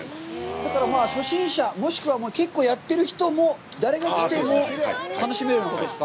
だから、初心者、もしくは結構やってる人も誰が来ても楽しめるということですか？